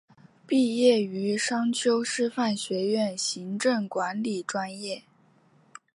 毕业于商丘师范学院行政管理专业。